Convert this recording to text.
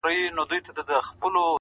هغه نن بيا د چا د ياد گاونډى’